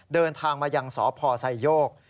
เดินทางมายังสพไซโยก